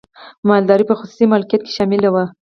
مالداري په خصوصي مالکیت کې شامله وه.